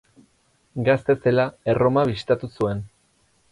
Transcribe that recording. Gazte zela, Erroma bisitatu zuen.